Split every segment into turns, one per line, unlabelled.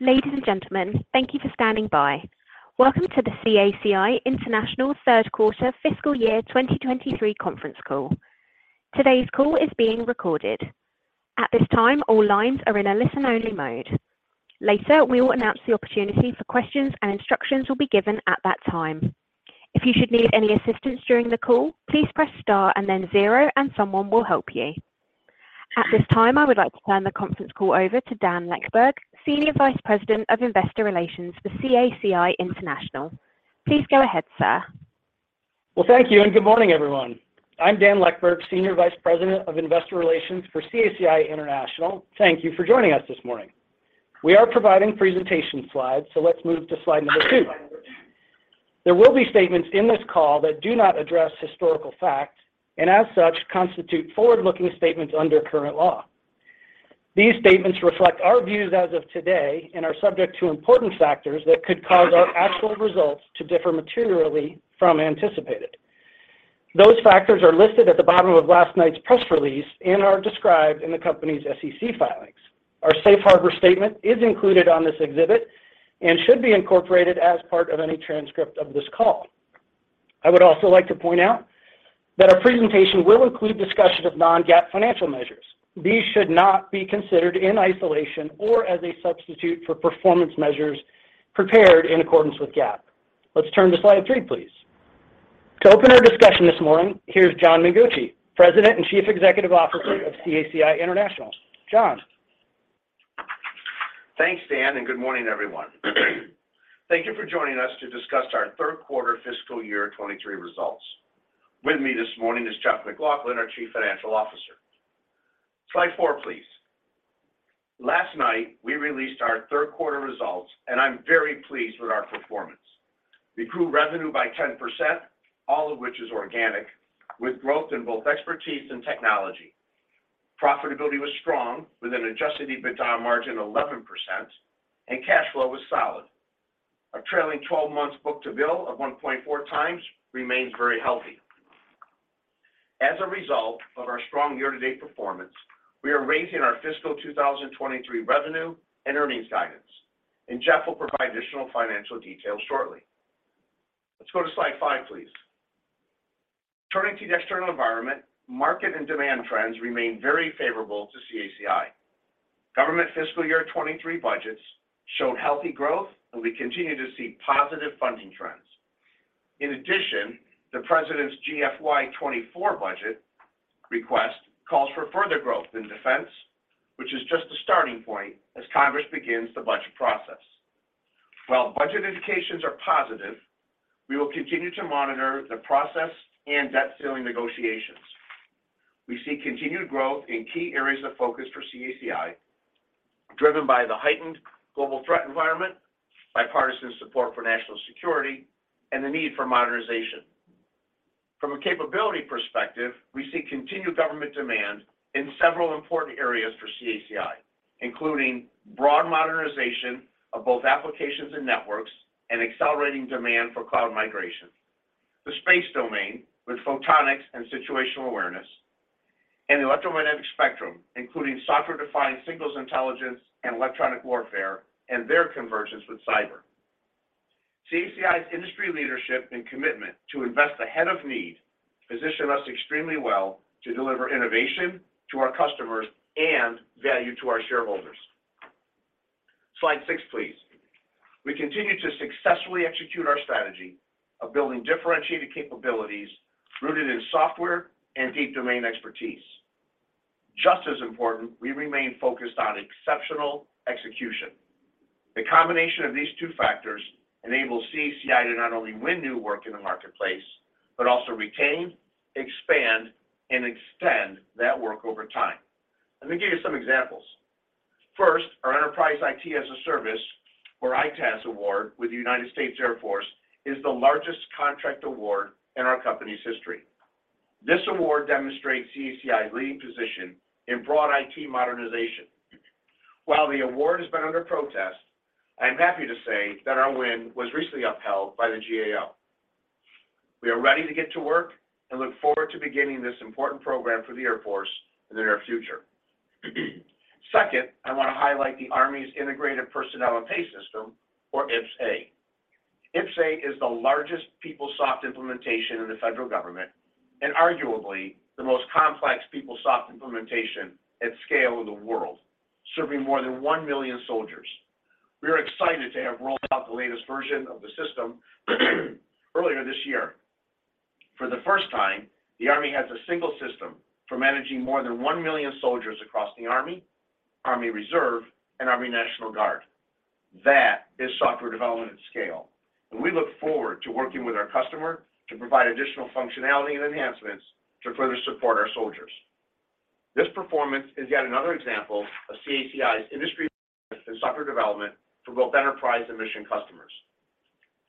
Ladies and gentlemen, thank you for standing by. Welcome to the CACI International third quarter fiscal year 2023 conference call. Today's call is being recorded. At this time, all lines are in a listen-only mode. Later, we will announce the opportunity for questions and instructions will be given at that time. If you should need any assistance during the call, please press star and then zero, and someone will help you. At this time, I would like to turn the conference call over to Dan Leckburg, Senior Vice President of Investor Relations for CACI International. Please go ahead, sir.
Well, thank you, and good morning, everyone. I'm Dan Leckburg, Senior Vice President of Investor Relations for CACI International. Thank you for joining us this morning. We are providing presentation slides. Let's move to slide number two. There will be statements in this call that do not address historical facts, and as such, constitute forward-looking statements under current law. These statements reflect our views as of today and are subject to important factors that could cause our actual results to differ materially from anticipated. Those factors are listed at the bottom of last night's press release and are described in the company's SEC filings. Our safe harbor statement is included on this exhibit and should be incorporated as part of any transcript of this call. I would also like to point out that our presentation will include discussion of non-GAAP financial measures. These should not be considered in isolation or as a substitute for performance measures prepared in accordance with GAAP. Let's turn to slide three, please. To open our discussion this morning, here's John Mengucci, President and Chief Executive Officer of CACI International. John.
Thanks, Dan. Good morning, everyone. Thank you for joining us to discuss our third quarter fiscal year 2023 results. With me this morning is Jeff MacLauchlan, our Chief Financial Officer. Slide four, please. Last night, we released our third quarter results. I'm very pleased with our performance. We grew revenue by 10%, all of which is organic, with growth in both expertise and technology. Profitability was strong, with an adjusted EBITDA margin 11%. Cash flow was solid. Our trailing 12 months book-to-bill of 1.4x remains very healthy. As a result of our strong year-to-date performance, we are raising our fiscal 2023 revenue and earnings guidance. Jeff will provide additional financial details shortly. Let's go to slide five, please. Turning to the external environment, market and demand trends remain very favorable to CACI. Government fiscal year 2023 budgets showed healthy growth, and we continue to see positive funding trends. In addition, the President's GFY 2024 budget request calls for further growth in defense, which is just a starting point as Congress begins the budget process. While budget indications are positive, we will continue to monitor the process and debt ceiling negotiations. We see continued growth in key areas of focus for CACI, driven by the heightened global threat environment, bipartisan support for national security, and the need for modernization. From a capability perspective, we see continued government demand in several important areas for CACI, including broad modernization of both applications and networks and accelerating demand for cloud migration. The space domain with photonics and situational awareness and the electromagnetic spectrum, including software-defined signals intelligence and electronic warfare and their convergence with cyber. CACI's industry leadership and commitment to invest ahead of need position us extremely well to deliver innovation to our customers and value to our shareholders. Slide six, please. We continue to successfully execute our strategy of building differentiated capabilities rooted in software and deep domain expertise. Just as important, we remain focused on exceptional execution. The combination of these two factors enables CACI to not only win new work in the marketplace, but also retain, expand, and extend that work over time. Let me give you some examples. First, our Enterprise Information Technology as a Service or EITaaS award with the United States Air Force is the largest contract award in our company's history. This award demonstrates CACI's leading position in broad IT modernization. While the award has been under protest, I am happy to say that our win was recently upheld by the GAO. We are ready to get to work and look forward to beginning this important program for the Air Force in the near future. Second, I want to highlight the Army's Integrated Personnel and Pay System, or IPPS-A. IPPS-A is the largest PeopleSoft implementation in the federal government and arguably the most complex PeopleSoft implementation at scale in the world, serving more than 1 million soldiers. We are excited to have rolled out the latest version of the system earlier this year. For the first time, the Army has a single system for managing more than 1 million soldiers across the Army Reserve, and Army National Guard. That is software development at scale, and we look forward to working with our customer to provide additional functionality and enhancements to further support our soldiers. This performance is yet another example of CACI's industry leadership in software development for both enterprise and mission customers.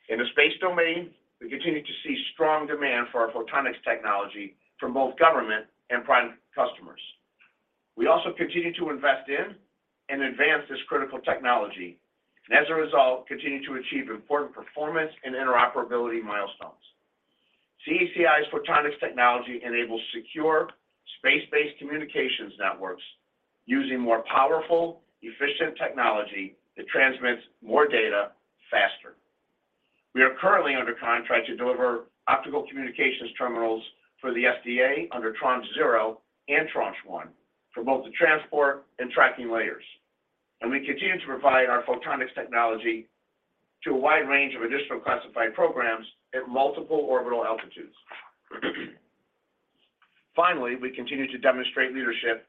In the space domain, we continue to see strong demand for our photonics technology from both government and prime customers. We also continue to invest in and advance this critical technology, and as a result, continue to achieve important performance and interoperability milestones. CACI's photonics technology enables secure space-based communications networks using more powerful, efficient technology that transmits more data faster. We are currently under contract to deliver optical communications terminals for the SDA under Tranche 0 and Tranche 1 for both the Transport and Tracking Layers. We continue to provide our photonics technology to a wide range of additional classified programs at multiple orbital altitudes. We continue to demonstrate leadership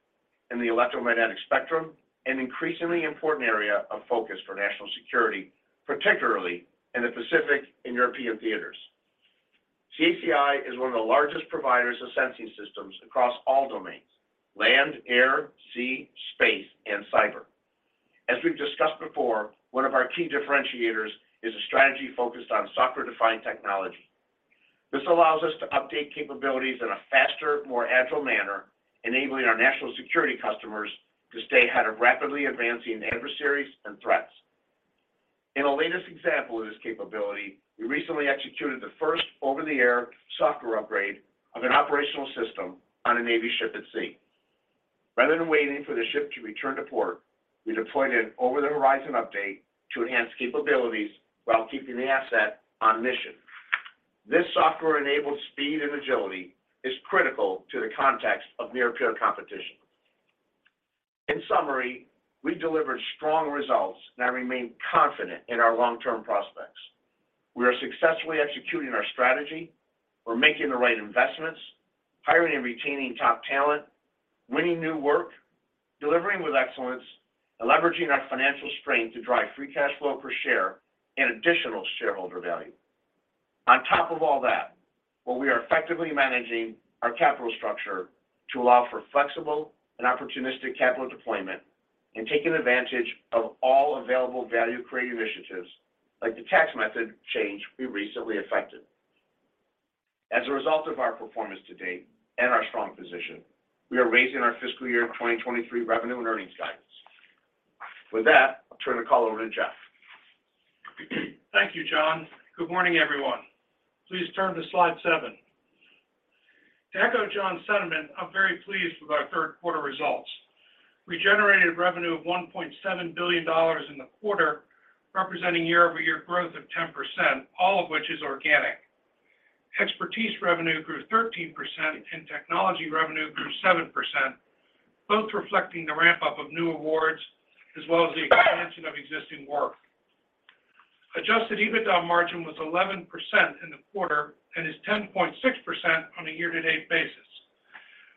in the electromagnetic spectrum, an increasingly important area of focus for national security, particularly in the Pacific and European theaters. CACI is one of the largest providers of sensing systems across all domains: land, air, sea, space, and cyber. As we've discussed before, one of our key differentiators is a strategy focused on software-defined technology. This allows us to update capabilities in a faster, more agile manner, enabling our national security customers to stay ahead of rapidly advancing adversaries and threats. In the latest example of this capability, we recently executed the first over-the-air software upgrade of an operational system on a Navy ship at sea. Rather than waiting for the ship to return to port, we deployed an over-the-horizon update to enhance capabilities while keeping the asset on mission. This software-enabled speed and agility is critical to the context of near-peer competition. In summary, we delivered strong results, and I remain confident in our long-term prospects. We are successfully executing our strategy. We're making the right investments, hiring and retaining top talent, winning new work, delivering with excellence, and leveraging our financial strength to drive free cash flow per share and additional shareholder value. On top of all that, while we are effectively managing our capital structure to allow for flexible and opportunistic capital deployment and taking advantage of all available value-creating initiatives like the tax method change we recently effected. As a result of our performance to date and our strong position, we are raising our fiscal year 2023 revenue and earnings guidance. With that, I'll turn the call over to Jeff.
Thank you, John. Good morning, everyone. Please turn to slide seven. To echo John's sentiment, I'm very pleased with our third quarter results. We generated revenue of $1.7 billion in the quarter, representing year-over-year growth of 10%, all of which is organic. Expertise revenue grew 13%, and technology revenue grew 7%, both reflecting the ramp-up of new awards as well as the expansion of existing work. Adjusted EBITDA margin was 11% in the quarter and is 10.6% on a year-to-date basis,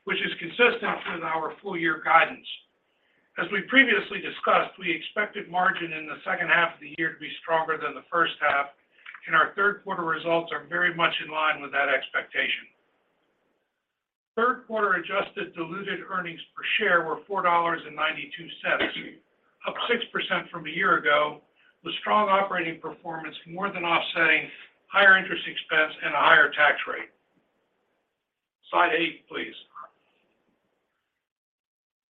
which is consistent with our full year guidance. As we previously discussed, we expected margin in the H2 of the year to be stronger than the H1, and our third quarter results are very much in line with that expectation. Third quarter adjusted diluted earnings per share were $4.92, up 6% from a year ago, with strong operating performance more than offsetting higher interest expense and a higher tax rate. Slide 8, please.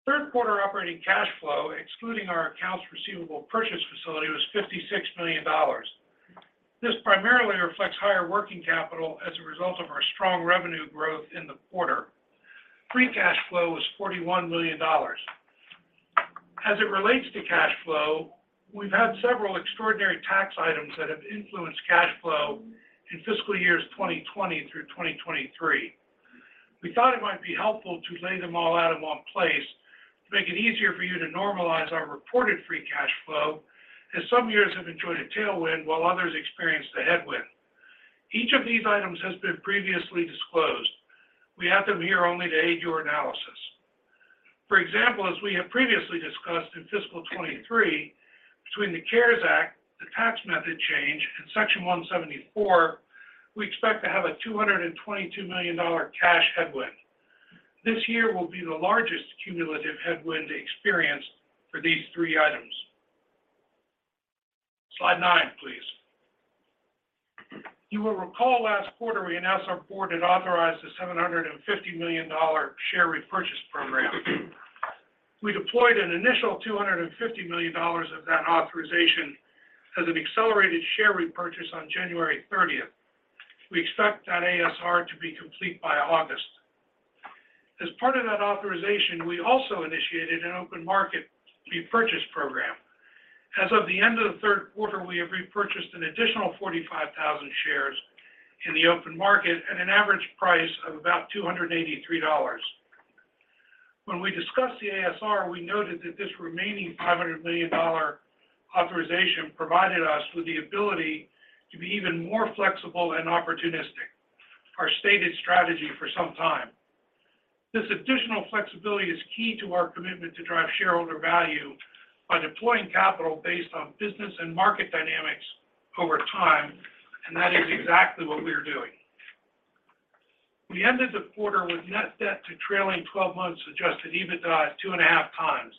Third quarter operating cash flow, excluding our accounts receivable purchase facility, was $56 million. This primarily reflects higher working capital as a result of our strong revenue growth in the quarter. Free cash flow was $41 million. As it relates to cash flow, we've had several extraordinary tax items that have influenced cash flow in fiscal years 2020 through 2023. We thought it might be helpful to lay them all out in one place to make it easier for you to normalize our reported free cash flow, as some years have enjoyed a tailwind while others experienced a headwind. Each of these items has been previously disclosed. We have them here only to aid your analysis. For example, as we have previously discussed in fiscal 2023, between the CARES Act, the tax method change, and Section 174, we expect to have a $222 million cash headwind. This year will be the largest cumulative headwind experienced for these three items. Slide nine, please. You will recall last quarter, we announced our board had authorized a $750 million share repurchase program. We deployed an initial $250 million of that authorization as an accelerated share repurchase on January 30th. We expect that ASR to be complete by August. As part of that authorization, we also initiated an open market repurchase program. As of the end of the third quarter, we have repurchased an additional 45,000 shares in the open market at an average price of about $283. When we discussed the ASR, we noted that this remaining $500 million authorization provided us with the ability to be even more flexible and opportunistic, our stated strategy for some time. This additional flexibility is key to our commitment to drive shareholder value by deploying capital based on business and market dynamics over time, that is exactly what we are doing. We ended the quarter with net debt to trailing 12 months adjusted EBITDA at 2.5x.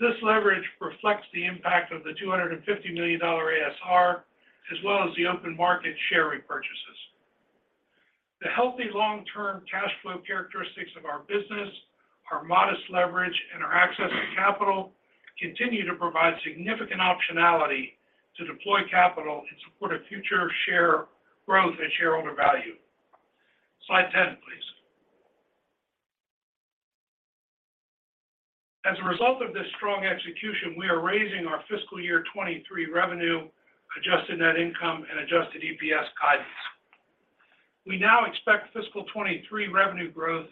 This leverage reflects the impact of the $250 million ASR, as well as the open market share repurchases. The healthy long-term cash flow characteristics of our business, our modest leverage, and our access to capital continue to provide significant optionality to deploy capital and support a future share growth and shareholder value. Slide 10, please. As a result of this strong execution, we are raising our fiscal year 2023 revenue, adjusted net income, and adjusted EPS guidance. We now expect fiscal 2023 revenue growth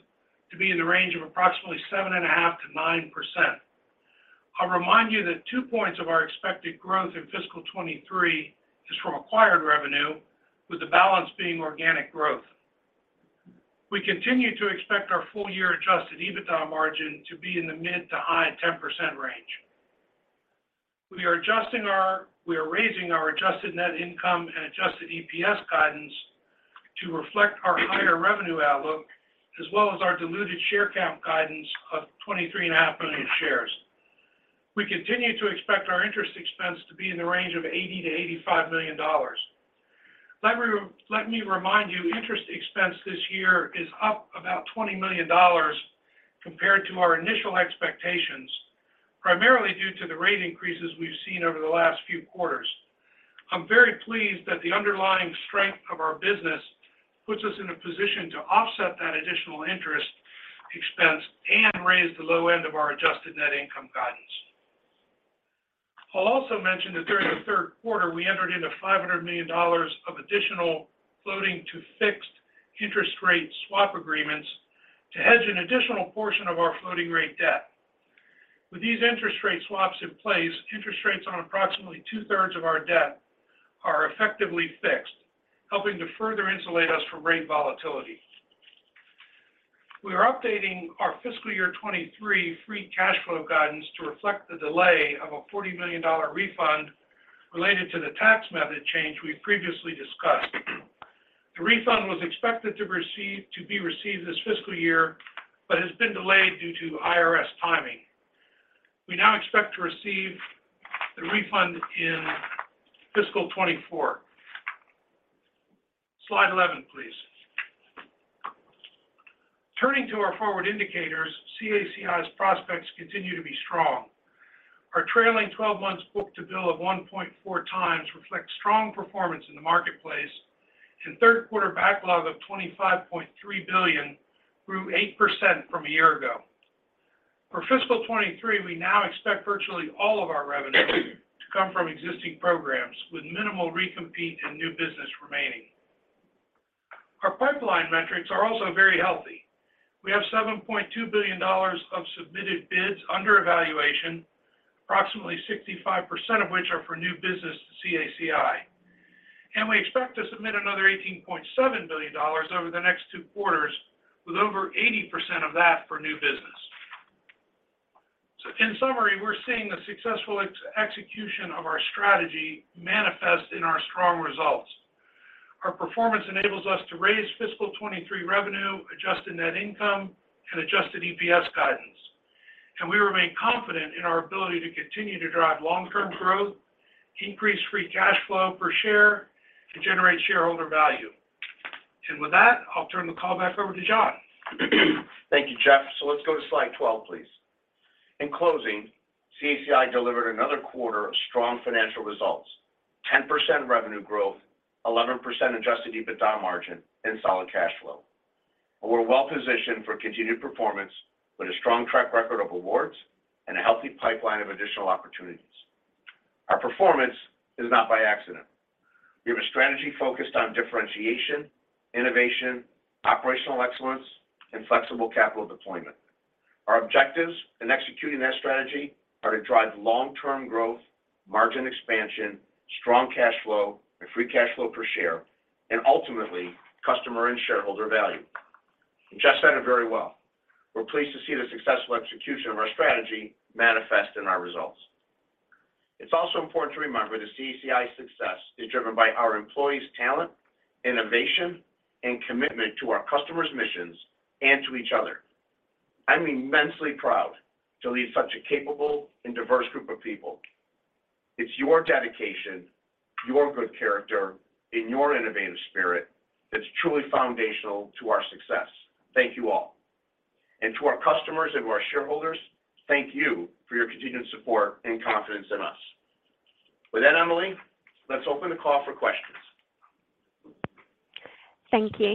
to be in the range of approximately 7.5%-9%. I'll remind you that two points of our expected growth in fiscal 2023 is from acquired revenue, with the balance being organic growth. We continue to expect our full year adjusted EBITDA margin to be in the mid to high 10% range. We are raising our adjusted net income and adjusted EPS guidance to reflect our higher revenue outlook, as well as our diluted share count guidance of 23.5 million shares. We continue to expect our interest expense to be in the range of $80 million-$85 million. Let me remind you, interest expense this year is up about $20 million compared to our initial expectations, primarily due to the rate increases we've seen over the last few quarters. I'm very pleased that the underlying strength of our business puts us in a position to offset that additional interest expense and raise the low end of our adjusted net income guidance. I'll also mention that during the third quarter, we entered into $500 million of additional floating-to-fixed interest rate swap agreements to hedge an additional portion of our floating rate debt. With these interest rate swaps in place, interest rates on approximately 2/3 of our debt are effectively fixed, helping to further insulate us from rate volatility. We are updating our fiscal year 2023 free cash flow guidance to reflect the delay of a $40 million refund related to the tax method change we previously discussed. The refund was expected to be received this fiscal year, but has been delayed due to IRS timing. We now expect to receive the refund in fiscal 2024. Slide 11, please. Turning to our forward indicators, CACI's prospects continue to be strong. Our trailing 12 months book-to-bill of 1.4x reflects strong performance in the marketplace. third quarter backlog of $25.3 billion grew 8% from a year ago. For fiscal 2023, we now expect virtually all of our revenue to come from existing programs, with minimal recompete and new business remaining. Our pipeline metrics are also very healthy. We have $7.2 billion of submitted bids under evaluation, approximately 65% of which are for new business to CACI. We expect to submit another $18.7 billion over the next two quarters, with over 80% of that for new business. In summary, we're seeing the successful ex-execution of our strategy manifest in our strong results. Our performance enables us to raise fiscal 2023 revenue, adjusted net income, and adjusted EPS guidance. We remain confident in our ability to continue to drive long-term growth, increase free cash flow per share, and generate shareholder value. With that, I'll turn the call back over to John.
Thank you, Jeff. Let's go to slide 12, please. In closing, CACI delivered another quarter of strong financial results. 10% revenue growth, 11% adjusted EBITDA margin, and solid cash flow. We're well-positioned for continued performance with a strong track record of awards and a healthy pipeline of additional opportunities. Our performance is not by accident. We have a strategy focused on differentiation, innovation, operational excellence, and flexible capital deployment. Our objectives in executing that strategy are to drive long-term growth, margin expansion, strong cash flow, and free cash flow per share, and ultimately, customer and shareholder value. Jeff said it very well. We're pleased to see the successful execution of our strategy manifest in our results. It's also important to remember that CACI's success is driven by our employees' talent, innovation, and commitment to our customers' missions and to each other. I'm immensely proud to lead such a capable and diverse group of people. It's your dedication, your good character, and your innovative spirit that's truly foundational to our success. Thank you all. To our customers and our shareholders, thank you for your continued support and confidence in us. With that, Emily, let's open the call for questions.
Thank you.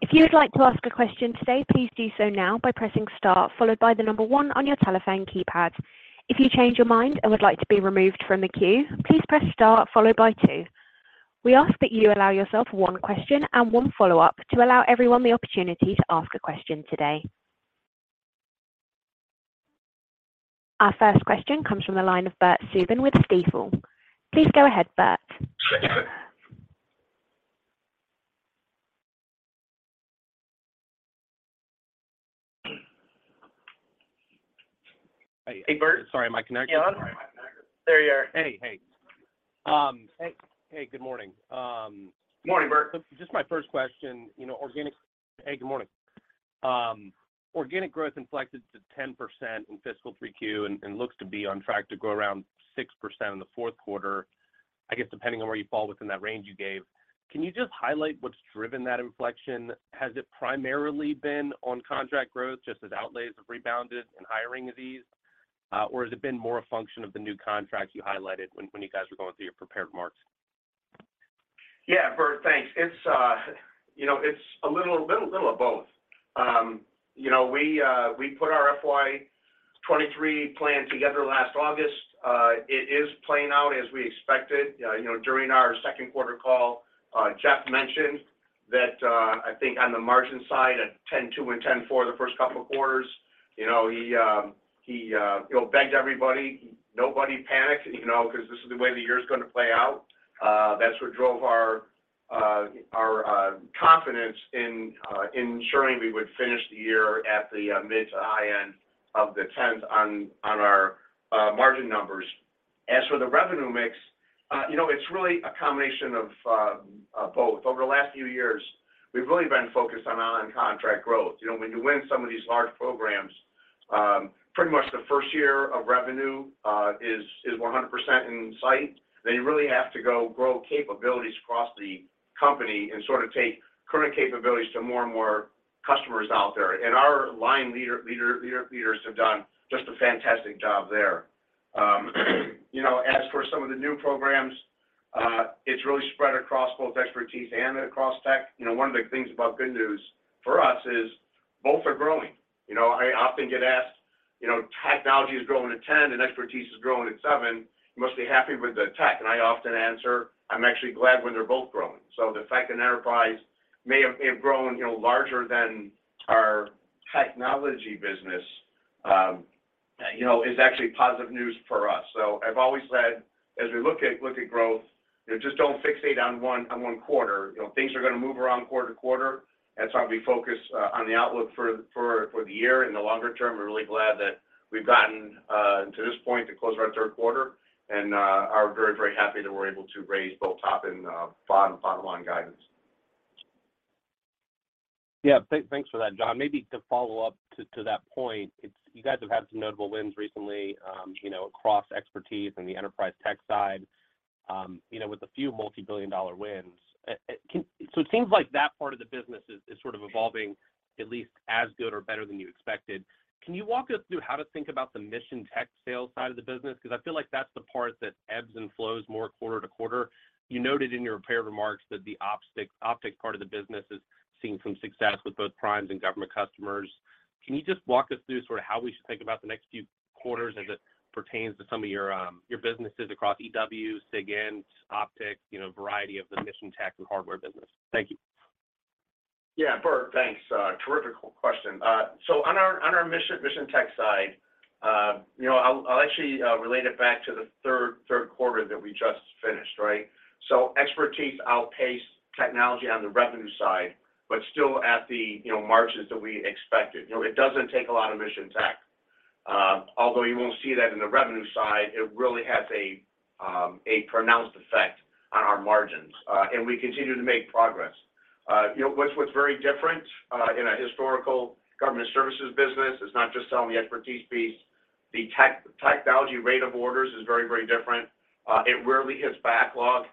If you would like to ask a question today, please do so now by pressing star followed by one on your telephone keypad. If you change your mind and would like to be removed from the queue, please press star followed by two. We ask that you allow yourself one question and one follow-up to allow everyone the opportunity to ask a question today. Our first question comes from the line of Bert Subin with Stifel. Please go ahead, Bert.
Hey, Bert.
Sorry, am I connected?
Yeah. There you are.
Hey, hey.
Hey, hey, good morning.
Morning, Bert.
Just my first question, you know. Hey, good morning. Organic growth inflected to 10% in fiscal 3Q and looks to be on track to grow around 6% in the fourth quarter. I guess depending on where you fall within that range you gave, can you just highlight what's driven that inflection? Has it primarily been on contract growth, just as outlays have rebounded and hiring has eased? Or has it been more a function of the new contracts you highlighted when you guys were going through your prepared remarks?
Yeah, Bert, thanks. It's, you know, it's a little of both. You know, we put our FY 2023 plan together last August. It is playing out as we expected. You know, during our second quarter call, Jeff mentioned that I think on the margin side at 10.2% and 10.4% the first couple of quarters, you know, he, you know, begged everybody. Nobody panicked, you know, because this is the way the year is gonna play out. That's what drove our confidence in ensuring we would finish the year at the mid to high end of the 10s on our margin numbers. As for the revenue mix, you know, it's really a combination of both. Over the last few years, we've really been focused on on-contract growth. You know, when you win some of these large programs, pretty much the first year of revenue is 100% in sight. You really have to go grow capabilities across the company and sort of take current capabilities to more and more customers out there. Our line leaders have done just a fantastic job there. You know, as for some of the new programs, it's really spread across both expertise and across tech. You know, one of the big things about good news for us is both are growing. You know, I often get asked, you know, technology is growing at 10 and expertise is growing at seven. You must be happy with the tech. I often answer, "I'm actually glad when they're both growing." The fact that enterprise may have grown, you know, larger than our technology business, you know, is actually positive news for us. I've always said, as we look at growth, you know, just don't fixate on one quarter. You know, things are going to move around quarter-to-quarter. That's why we focus on the outlook for the year. In the longer term, we're really glad that we've gotten to this point to close our third quarter and are very, very happy that we're able to raise both top and bottom line guidance.
Yeah. Thanks for that, John. Maybe to follow up to that point, you guys have had some notable wins recently, you know, across expertise in the enterprise tech side, you know, with a few multi-billion-dollar wins. It seems like that part of the business is sort of evolving at least as good or better than you expected. Can you walk us through how to think about the mission tech sales side of the business? Because I feel like that's the part that ebbs and flows more quarter-to-quarter. You noted in your prepared remarks that the optics part of the business is seeing some success with both primes and government customers. Can you just walk us through sort of how we should think about the next few quarters as it pertains to some of your businesses across EW, SIGINT, optics, you know, variety of the mission tech and hardware business? Thank you.
Yeah. Bert, thanks. Terrific question. On our mission tech side, you know, I'll actually relate it back to the third quarter that we just finished, right? Expertise outpaced technology on the revenue side, but still at the, you know, margins that we expected. You know, it doesn't take a lot of mission tech. Although you won't see that in the revenue side, it really has a pronounced effect on our margins, and we continue to make progress. You know, what's very different in a historical government services business is not just selling the expertise piece. The technology rate of orders is very different. It rarely hits backlog.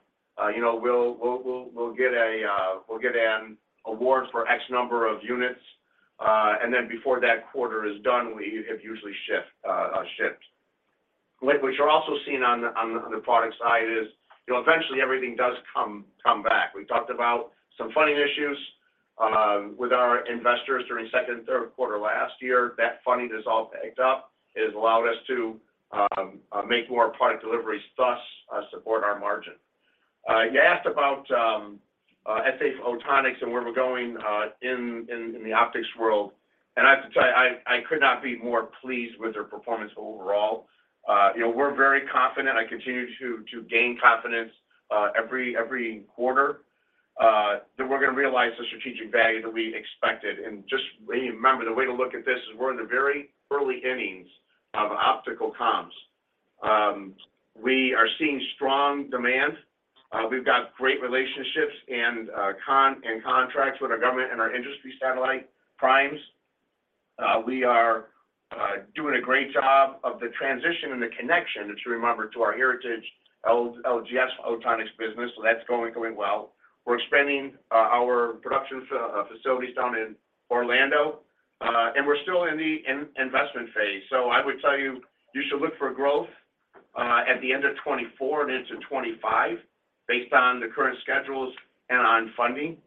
you know, we'll get a, we'll get an award for X number of units, and then before that quarter is done, we have usually shipped. Which we're also seeing on the product side is, you know, eventually everything does come back. We talked about some funding issues with our investors during second and third quarter last year. That funding is all picked up. It has allowed us to make more product deliveries, thus support our margin. you asked about SA Photonics and where we're going in the optics world. I have to tell you, I could not be more pleased with their performance overall. you know, we're very confident. I continue to gain confidence every quarter that we're gonna realize the strategic value that we expected. Just remember, the way to look at this is we're in the very early innings of optical comms. We are seeing strong demand. We've got great relationships and contracts with our government and our industry satellite primes. We are doing a great job of the transition and the connection to remember to our heritage LGS Innovations business. That's going well. We're expanding our production facilities down in Orlando, and we're still in the investment phase. I would tell you should look for growth at the end of 2024 and into 2025 based on the current schedules and on funding.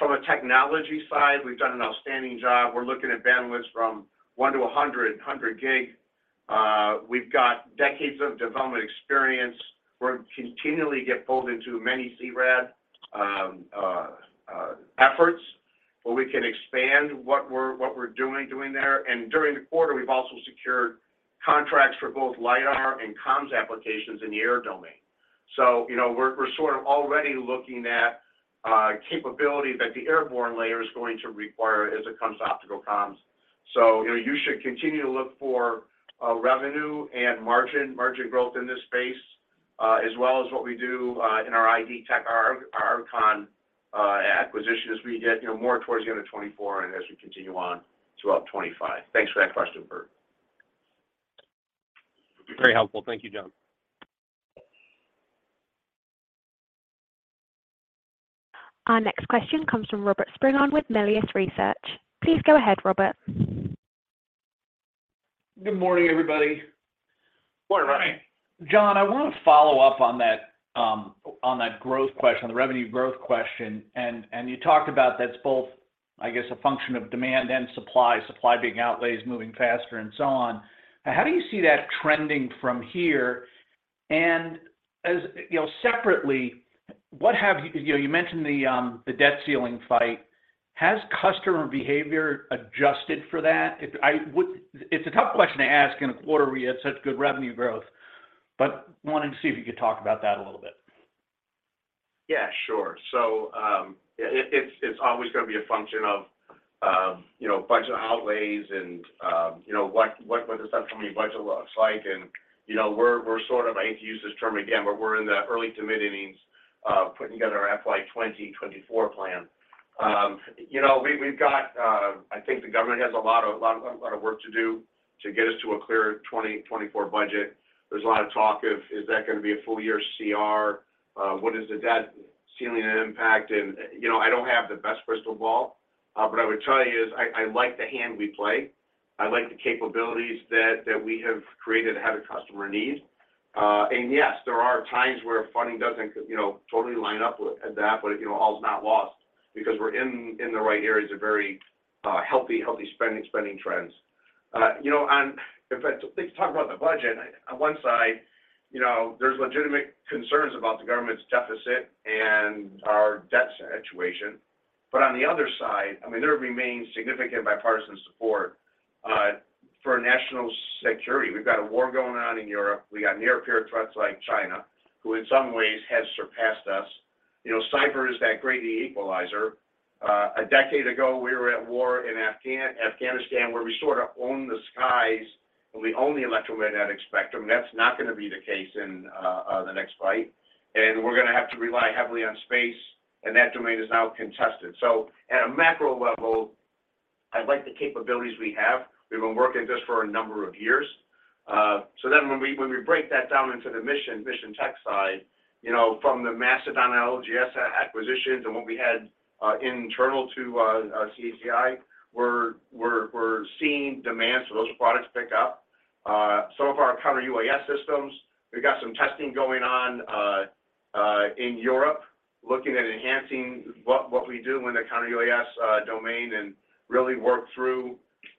From a technology side, we've done an outstanding job. We're looking at bandwidth from 1 to 100 Gb. We've got decades of development experience. We're continually get pulled into many CRAD efforts where we can expand what we're doing there. During the quarter, we've also secured contracts for both LiDAR and comms applications in the air domain. You know, we're sort of already looking at capability that the airborne layer is going to require as it comes to optical comms. You know, you should continue to look for revenue and margin growth in this space, as well as what we do in our ID Tech, Archon acquisition as we get, you know, more towards the end of 2024 and as we continue on throughout 2025. Thanks for that question, Bert.
Very helpful. Thank you, John.
Our next question comes from Robert Spingarn with Melius Research. Please go ahead, Robert.
Good morning, everybody.
Morning, Robert.
John, I want to follow up on that, on that growth question, the revenue growth question. You talked about that's both, I guess, a function of demand and supply. Supply being outlays moving faster and so on. How do you see that trending from here? As, you know, separately, you know, you mentioned the debt ceiling fight. Has customer behavior adjusted for that? It's a tough question to ask in a quarter where you had such good revenue growth, wanting to see if you could talk about that a little bit.
Yeah, sure. It's always gonna be a function of, you know, budget outlays and, you know, what the defense committee budget looks like. You know, we're sort of, I hate to use this term again, but we're in the early commit meetings, putting together our FY 2024 plan. You know, we've got, I think the government has a lot of work to do to get us to a clear 2024 budget. There's a lot of talk of is that gonna be a full year CR? What is the debt ceiling impact? You know, I don't have the best crystal ball, but I would tell you is I like the hand we play. I like the capabilities that we have created ahead of customer need. Yes, there are times where funding doesn't you know, totally line up with that, all is not lost because we're in the right areas of very healthy spending trends. You know, let's talk about the budget. On one side, you know, there's legitimate concerns about the government's deficit and our debt situation. On the other side, I mean, there remains significant bipartisan support for national security. We've got a war going on in Europe. We got near-peer threats like China, who in some ways has surpassed us. You know, cyber is that great equalizer. A decade ago, we were at war in Afghanistan, where we sort of own the skies, and we own the electromagnetic spectrum. That's not gonna be the case in the next fight. We're gonna have to rely heavily on space, and that domain is now contested. At a macro level, I like the capabilities we have. We've been working at this for a number of years. When we break that down into the mission tech side, you know, from the Mastodon LGS acquisitions and what we had internal to CACI, we're seeing demand, so those products pick up. Some of our counter-UAS systems, we've got some testing going on in Europe looking at enhancing what we do in the counter-UAS domain and really work through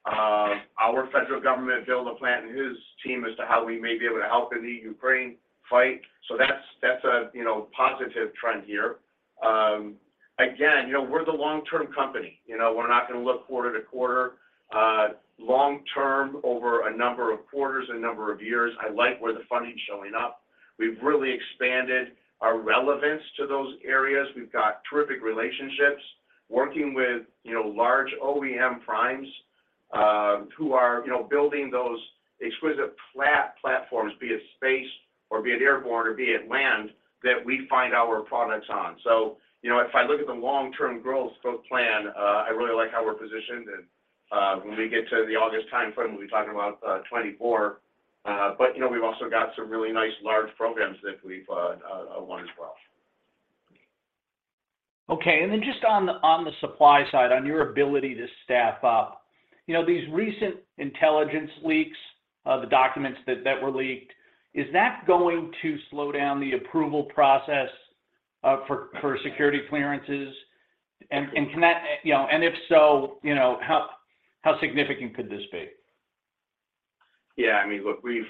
our federal government, Bill LaPlante and his team, as to how we may be able to help in the Ukraine fight. That's, that's a, you know, positive trend here. Again, you know, we're the long-term company. You know, we're not gonna look quarter-to-quarter. Long term, over a number of quarters, a number of years, I like where the funding's showing up. We've really expanded our relevance to those areas. We've got terrific relationships working with, you know, large OEM primes, who are, you know, building those exquisite platforms, be it space or be it airborne or be it land, that we find our products on. You know, if I look at the long-term growth plan, I really like how we're positioned. When we get to the August time frame, we'll be talking about 2024. You know, we've also got some really nice large programs that we've won as well.
Okay. Then just on the, on the supply side, on your ability to staff up. You know, these recent intelligence leaks, the documents that were leaked, is that going to slow down the approval process for security clearances? Can that, you know, and if so, you know, how significant could this be?
Yeah, I mean, look, we've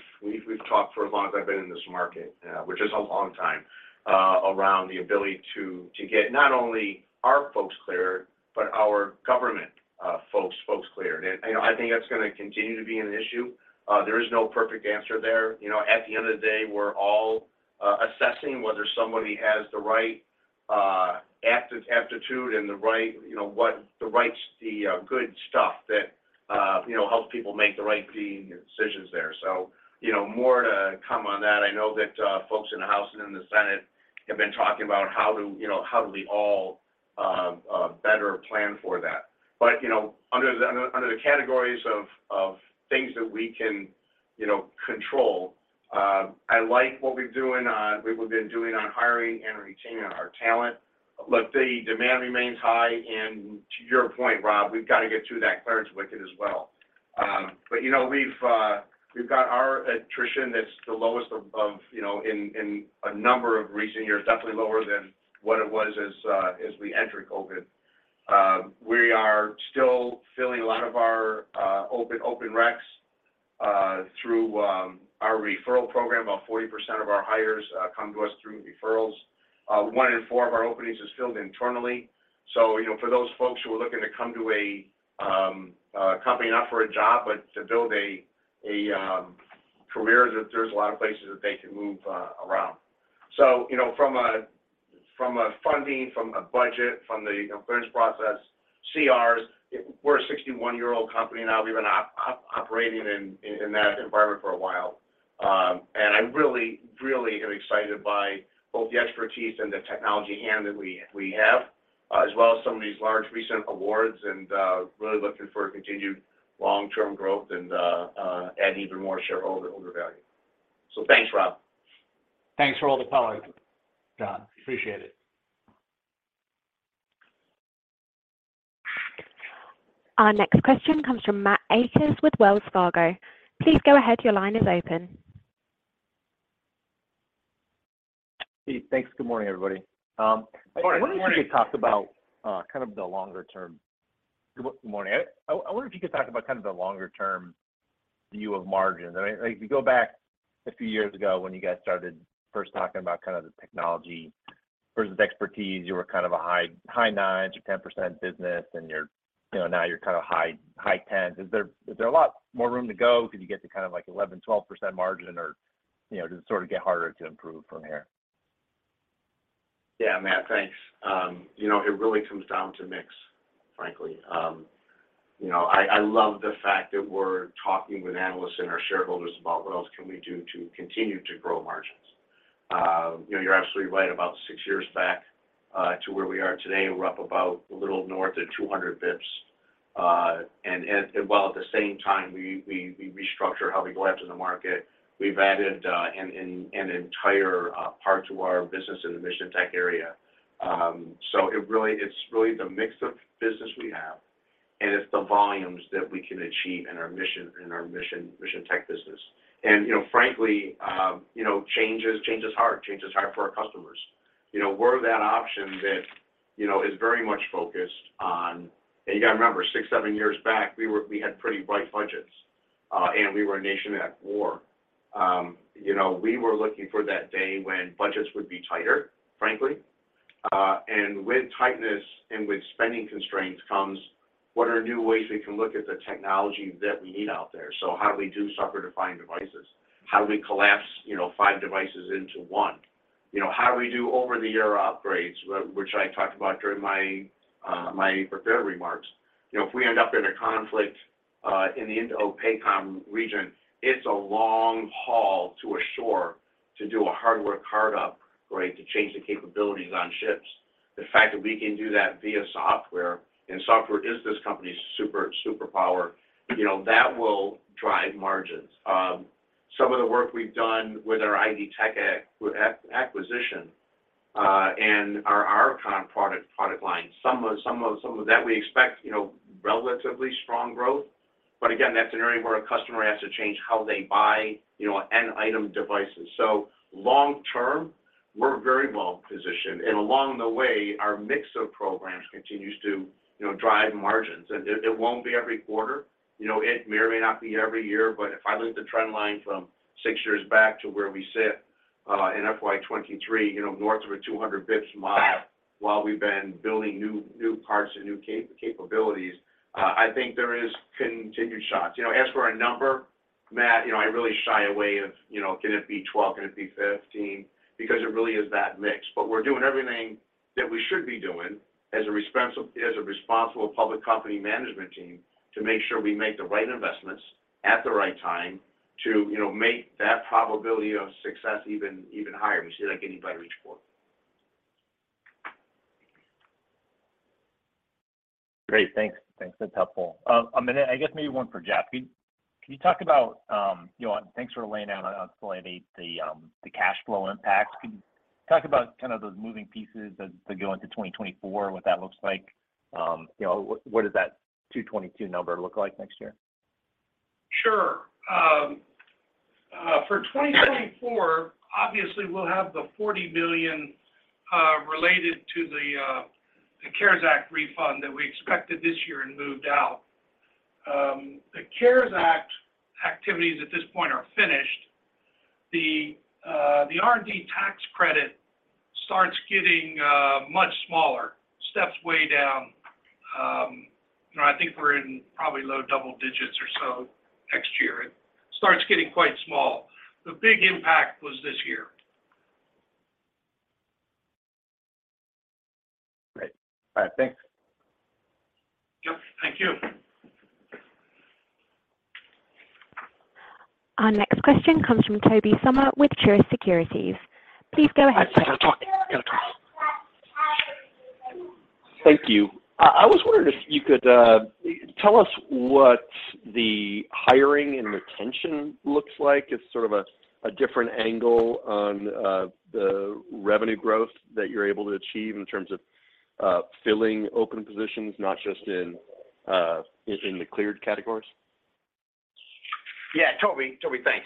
talked for as long as I've been in this market, which is a long time, around the ability to get not only our folks cleared, but our government folks cleared. You know, I think that's gonna continue to be an issue. There is no perfect answer there. You know, at the end of the day, we're all assessing whether somebody has the right aptitude and the right, you know, what the rights, the good stuff that helps people make the right decisions there. You know, more to come on that. I know that folks in the House and in the Senate have been talking about how do, you know, how do we all better plan for that. You know, under the categories of things that we can, you know, control, I like what we're doing on hiring and retaining our talent. Look, the demand remains high. To your point, Rob, we've got to get through that clearance wicket as well. You know, we've got our attrition that's the lowest of, you know, in a number of recent years. Definitely lower than what it was as we entered COVID. We are still filling a lot of our open reqs through our referral program. About 40% of our hires come to us through referrals. 1 in 4 of our openings is filled internally. You know, for those folks who are looking to come to a company not for a job, but to build a career, there's a lot of places that they can move around. You know, from a funding, from a budget, from the, you know, clearance process, CRs, we're a 61-year-old company now. We've been operating in that environment for a while. I really am excited by both the expertise and the technology hand that we have, as well as some of these large recent awards, and really looking for a continued long-term growth and add even more shareholder value. Thanks, Rob.
Thanks for all the color, John. Appreciate it.
Our next question comes from Matt Akers with Wells Fargo. Please go ahead, your line is open.
Hey, thanks. Good morning, everybody.
Good morning.
I was wondering if you could talk about kind of the longer term. Good morning. I wonder if you could talk about kind of the longer term view of margins. I mean, like, if you go back a few years ago, when you guys started first talking about kind of the technology versus expertise, you were kind of a high, high 9s or 10% business, and you know, now you're kind of high 10s. Is there a lot more room to go? Could you get to kind of like 11%, 12% margin or, you know, does it sort of get harder to improve from here?
Yeah, Matt, thanks. You know, it really comes down to mix, frankly. You know, I love the fact that we're talking with analysts and our shareholders about what else can we do to continue to grow margins. You know, you're absolutely right. About six years back, to where we are today, we're up about a little north of 200 bps. While at the same time, we restructure how we go after the market. We've added an entire part to our business in the mission tech area. It's really the mix of business we have, and it's the volumes that we can achieve in our mission tech business. You know, frankly, you know, change is hard. Change is hard for our customers. You know, we're that option that, you know, is very much focused on. You gotta remember, six, seven years back, we had pretty bright budgets, and we were a nation at war. You know, we were looking for that day when budgets would be tighter, frankly. With tightness and with spending constraints comes what are new ways we can look at the technology that we need out there. How do we do software-defined devices? How do we collapse, you know, five devices into one? You know, how do we do over-the-air upgrades, which I talked about during my prepared remarks. You know, if we end up in a conflict, in the INDOPACOM region, it's a long haul to a shore to do a hardware card up, right, to change the capabilities on ships. The fact that we can do that via software, and software is this company's superpower, you know, that will drive margins. Some of the work we've done with our ID Tech acquisition, and our Archon product line, that we expect, you know, relatively strong growth. Again, that's an area where a customer has to change how they buy, you know, end item devices. Long term, we're very well-positioned. Along the way, our mix of programs continues to, you know, drive margins. It won't be every quarter. You know, it may or may not be every year. If I look at the trend line from six years back to where we sit, in FY 2023, you know, north of a 200 bps while we've been building new parts and new capabilities, I think there is continued shots. You know, as for our number, Matt, you know, I really shy away of, you know, can it be 12, can it be 15, because it really is that mix. We're doing everything that we should be doing as a responsible public company management team to make sure we make the right investments at the right time to, you know, make that probability of success even higher. We see that getting better each quarter.
Great. Thanks. That's helpful. Then I guess maybe one for Jeff. Can you talk about, you know, thanks for laying out on slide eight the cash flow impact. Can you talk about kind of those moving pieces as they go into 2024, what that looks like? You know, what does that 222 number look like next year?
Sure. for 2024, obviously, we'll have the $40 million, related to the CARES Act refund that we expected this year and moved out. The CARES Act activities at this point are finished. The R&D tax credit starts getting, much smaller. Steps way down. you know, I think we're in probably low double digits or so next year. It starts getting quite small. The big impact was this year.
Great. All right. Thanks.
Yep. Thank you.
Our next question comes from Tobey Sommer with Truist Securities. Please go ahead.
I gotta talk. Thank you. I was wondering if you could tell us what the hiring and retention looks like as sort of a different angle on the revenue growth that you're able to achieve in terms of filling open positions, not just in the cleared categories.
Yeah, Toby, thanks.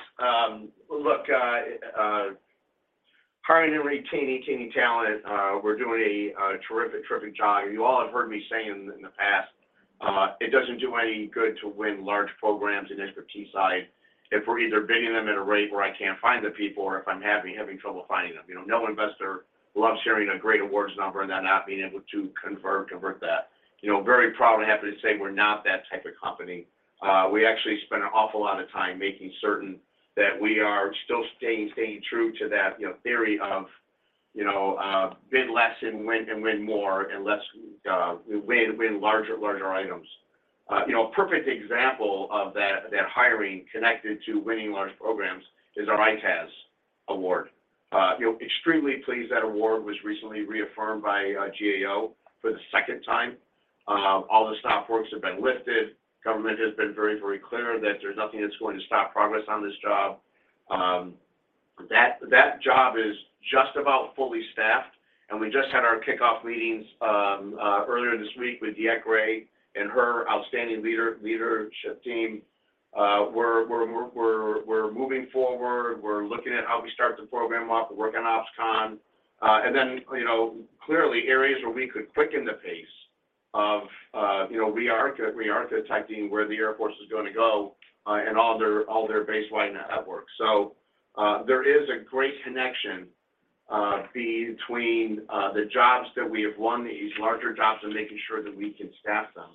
Look, hiring and retaining talent, we're doing a terrific job. You all have heard me say in the past, it doesn't do any good to win large programs in expertise side if we're either bidding them at a rate where I can't find the people or if I'm having trouble finding them. You know, no investor loves sharing a great awards number and then not being able to convert that. You know, very proud and happy to say we're not that type of company. We actually spend an awful lot of time making certain that we are still staying true to that, you know, theory of, you know, bid less and win more, and less, win larger items. You know, a perfect example of that hiring connected to winning large programs is our EITaaS award. You know, extremely pleased that award was recently reaffirmed by GAO for the second time. All the stop works have been lifted. Government has been very, very clear that there's nothing that's going to stop progress on this job. That job is just about fully staffed, and we just had our kickoff meetings earlier this week with DeEtte Gray and her outstanding leadership team. We're moving forward. We're looking at how we start the program up. We're working OpsCon. You know, clearly areas where we could quicken the pace of, you know, rearchitect, rearchitecting where the Air Force is gonna go, and all their, all their base wide networks. There is a great connection between the jobs that we have won, these larger jobs, and making sure that we can staff them.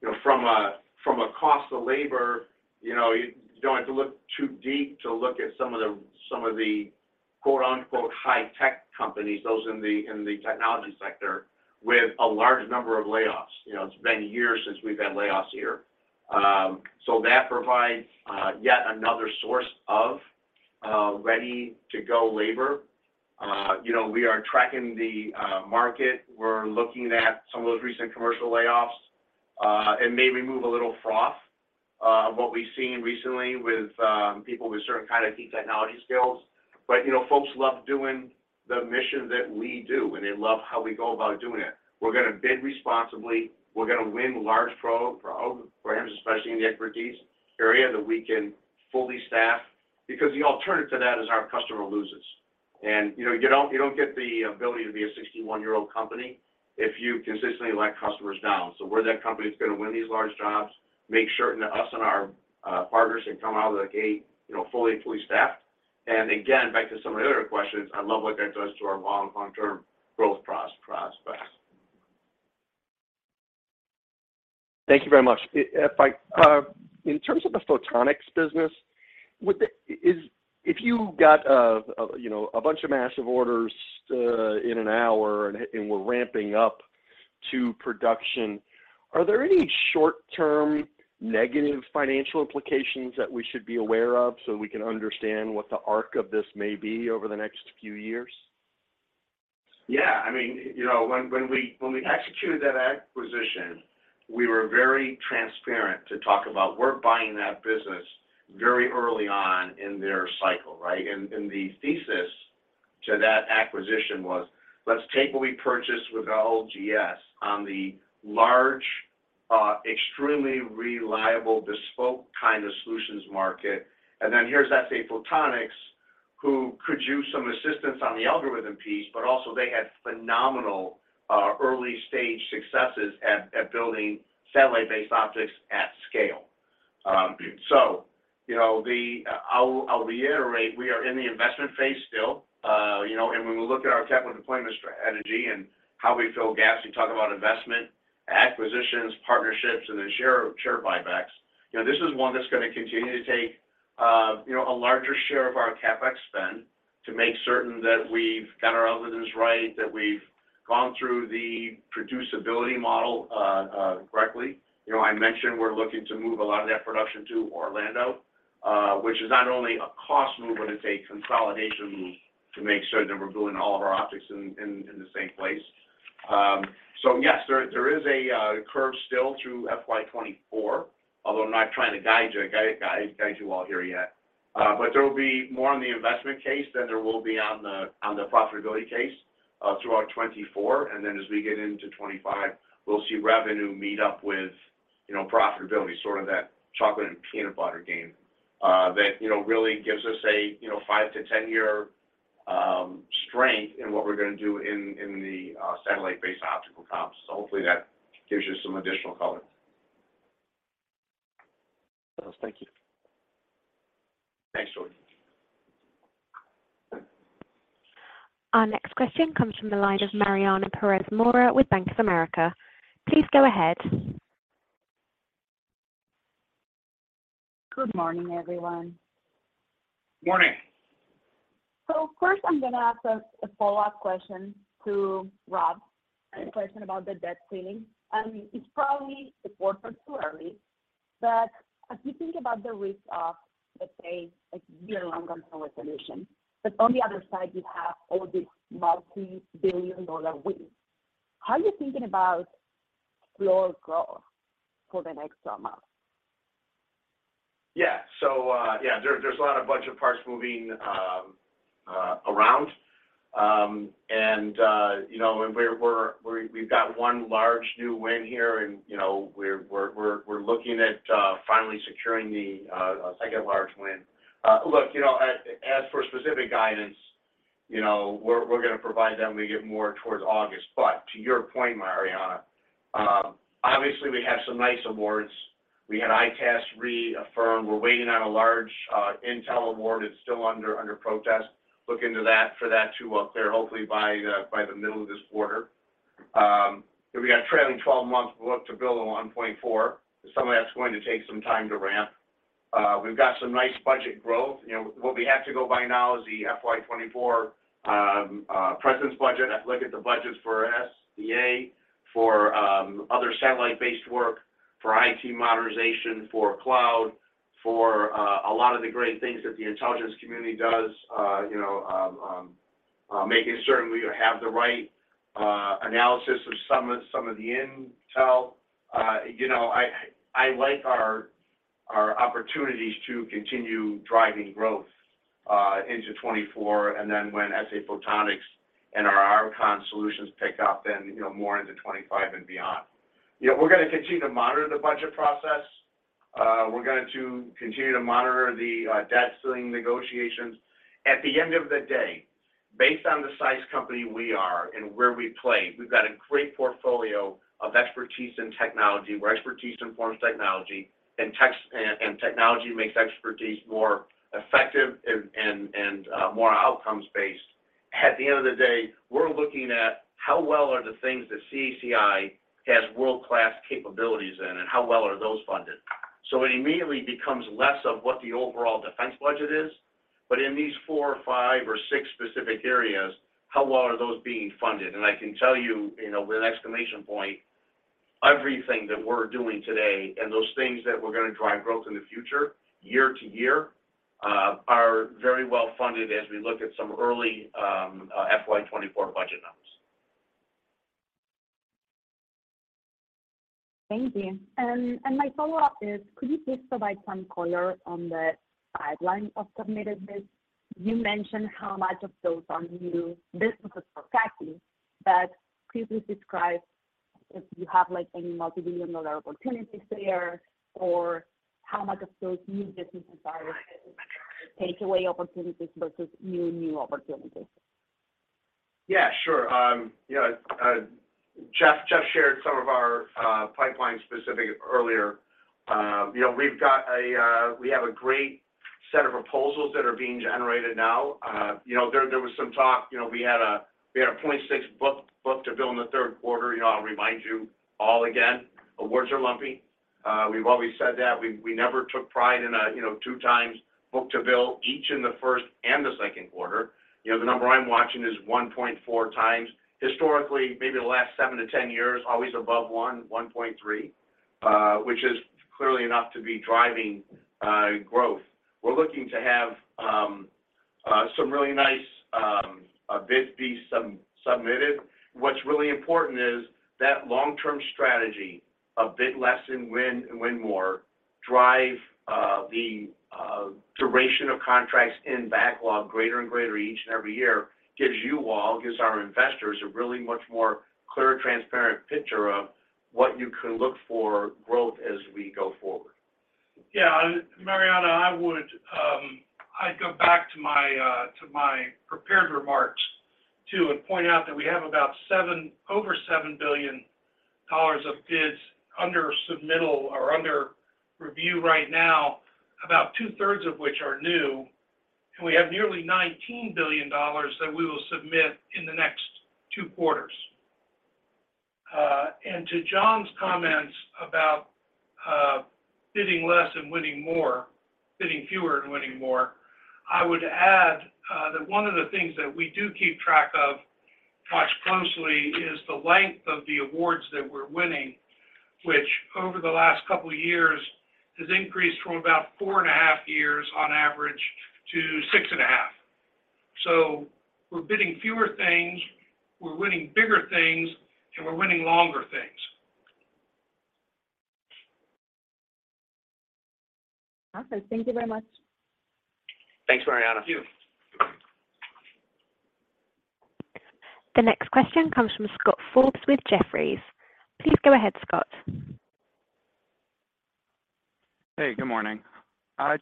You know, from a cost of labor, you know, you don't have to look too deep to look at some of the, some of the quote-unquote, "high-tech companies," those in the, in the technology sector with a large number of layoffs. You know, it's been years since we've had layoffs here. That provides yet another source of ready-to-go labor. You know, we are tracking the market. We're looking at some of those recent commercial layoffs, and maybe move a little froth of what we've seen recently with people with certain kind of key technology skills. You know, folks love doing the mission that we do, and they love how we go about doing it. We're gonna bid responsibly. We're gonna win large programs, especially in the expertise area, that we can fully staff. The alternative to that is our customer loses. You know, you don't, you don't get the ability to be a 61-year-old company if you consistently let customers down. We're that company that's gonna win these large jobs, make certain that us and our partners can come out of the gate, you know, fully staffed. again, back to some of the other questions, I love what that does to our long-term growth prospects.
Thank you very much. If I, in terms of the Photonics business, if you got a, you know, a bunch of massive orders, in an hour and were ramping up to production, are there any short-term negative financial implications that we should be aware of so we can understand what the arc of this may be over the next few years?
I mean, you know, when we executed that acquisition, we were very transparent to talk about we're buying that business very early on in their cycle, right. The thesis to that acquisition was, let's take what we purchased with LGS on the large, extremely reliable bespoke kind of solutions market. Then here's SA Photonics who could use some assistance on the algorithm piece. Also, they had phenomenal, early stage successes at building satellite-based optics at scale. You know, I'll reiterate, we are in the investment phase still. You know, when we look at our capital deployment strategy and how we fill gaps, you talk about investment, acquisitions, partnerships, then share buybacks. You know, this is one that's gonna continue to take, you know, a larger share of our CapEx spend to make certain that we've got our algorithms right, that we've gone through the producibility model, correctly. You know, I mentioned we're looking to move a lot of that production to Orlando, which is not only a cost move, but it's a consolidation move to make sure that we're building all of our optics in the same place. Yes, there is a curve still through FY 2024, although I'm not trying to guide you all here yet. There will be more on the investment case than there will be on the, on the profitability case, throughout 2024. As we get into 2025, we'll see revenue meet up with, you know, profitability, sort of that chocolate and peanut butter game, that, you know, really gives us a, you know, 5-10 year, strength in what we're gonna do in the, satellite-based optical comms. Hopefully that gives you some additional color.
Thank you.
Thanks, Tobey.
Our next question comes from the line of Mariana Pérez Mora with Bank of America. Please go ahead.
Good morning, everyone.
Morning.
First I'm gonna ask a follow-up question to Rob, a question about the debt ceiling. It's probably, it's far from too early, as you think about the risk of, let's say, a year-long consumer solution, on the other side, you have all these multi-billion dollar wins. How are you thinking about slower growth for the next month?
Yeah, there's a lot of budget parts moving around. You know, we've got one large new win here and, you know, we're looking at finally securing the second large win. You know, as for specific guidance, you know, we're gonna provide that when we get more towards August. To your point, Mariana, obviously we have some nice awards. We had EITaaS reaffirmed. We're waiting on a large intel award. It's still under protest. Look into that for that to clear, hopefully by the middle of this quarter. If we got trailing 12 months book-to-bill of 1.4, some of that's going to take some time to ramp. We've got some nice budget growth. You know, what we have to go by now is the FY 2024 President's budget. I look at the budgets for SBA, for other satellite-based work, for IT modernization, for cloud, for a lot of the great things that the intelligence community does, you know, making certain we have the right analysis of some of the intel. You know, I like our opportunities to continue driving growth into 2024, and then when SA Photonics and our Archon solutions pick up, you know, more into 2025 and beyond. You know, we're gonna continue to monitor the budget process. We're going to continue to monitor the debt ceiling negotiations. At the end of the day, based on the size company we are and where we play, we've got a great portfolio of expertise in technology, where expertise informs technology, and technology makes expertise more effective and more outcomes based. At the end of the day, we're looking at how well are the things that CACI has world-class capabilities in, and how well are those funded. It immediately becomes less of what the overall defense budget is. In these four or five or six specific areas, how well are those being funded? I can tell you know, with an exclamation point, everything that we're doing today and those things that we're gonna drive growth in the future year to year, are very well funded as we look at some early, FY 2024 budget numbers.
Thank you. My follow-up is, could you please provide some color on the pipeline of submitted bids? You mentioned how much of those are new businesses for CACI, could you please describe if you have, like, any multimillion-dollar opportunities there, or how much of those new businesses are take-away opportunities versus new opportunities?
Yeah, sure. You know, Jeff shared some of our pipeline specific earlier. You know, we've got a great set of proposals that are being generated now. You know, there was some talk. You know, we had a 0.6 book-to-bill in the third quarter. You know, I'll remind you all again, awards are lumpy. We've always said that. We never took pride in a, you know, 2x book-to-bill each in the first and second quarter. You know, the number I'm watching is 1.4x. Historically, maybe the last 7-10 years, always above 1.3, which is clearly enough to be driving growth. We're looking to have some really nice bids be sub-submitted. What's really important is that long-term strategy of bid less and win more, drive the duration of contracts in backlog greater and greater each and every year gives our investors a really much more clear and transparent picture of what you can look for growth as we go forward.
Yeah. Mariana, I would go back to my prepared remarks, too, and point out that we have over $7 billion of bids under submittal or under review right now, about two-thirds of which are new, and we have nearly $19 billion that we will submit in the next two quarters. And to John's comments about bidding less and winning more, bidding fewer and winning more, I would add that one of the things that we do keep track of much closely is the length of the awards that we're winning, which over the last couple of years has increased from about four and a half years on average to six and a half. We're bidding fewer things, we're winning bigger things, and we're winning longer things.
Awesome. Thank you very much.
Thanks, Mariana.
Thank you.
The next question comes from Scott Forbes with Jefferies. Please go ahead, Scott.
Hey, good morning.